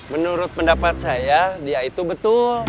menurut pendapat saya dia itu betul